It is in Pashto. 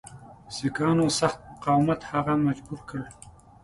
سیکهانو سخت مقاومت هغه مجبور کړ.